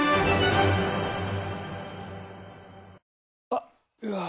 あっ、うわー。